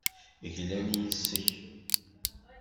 Glan yes-k.